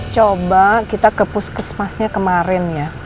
coba kita ke puskesmasnya kemarin ya